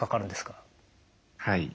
はい。